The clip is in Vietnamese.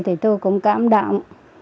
thì tôi cũng cảm động